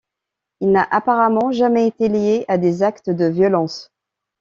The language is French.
Il n’a apparemment jamais été lié à des actes de violence.